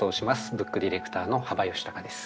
ブックディレクターの幅允孝です。